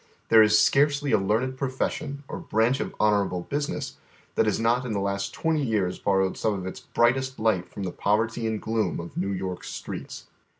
There is scarcely a leai'ned profession, or branch of honorable business, that has not in the last twenty years borrowed some of its brightest light from the poverty and gloom of New York's streets.